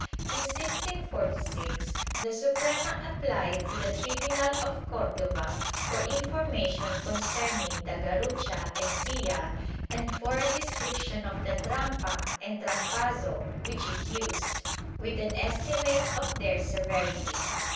In 1646 the Suprema apphed to the tribunal of Cordova for information concerning the garrucha and silla and for a description of the trampa and trampazo which it used, with an estimate of their severity.